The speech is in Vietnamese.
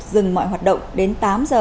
dừng mọi hoạt động đến tám giờ